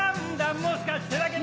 もしかしてだけど